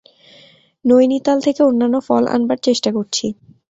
নৈনীতাল থেকে অন্যান্য ফল আনবার চেষ্টা করছি।